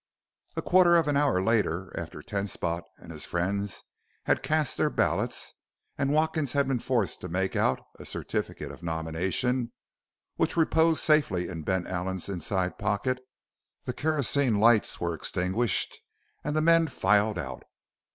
A quarter of an hour later, after Ten Spot and his friends had cast their ballots and Watkins had been forced to make out a certificate of nomination, which reposed safely in Ben Allen's inside pocket the kerosene lights were extinguished and the men filed out.